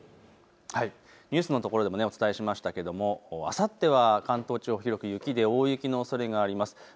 ニュースのところでもお伝えしましたが、あさっては関東地方、広く雪で大雪のおそれがあります。